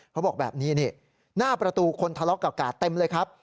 เขาบอกแบบนี้นี่หน้าประตูคนทะเลาะกับกาดเต็มเลยครับ